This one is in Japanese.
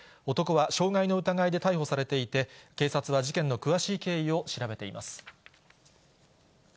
男は傷害の疑いで逮捕されていて、警察は事件の詳しい経緯を調べています。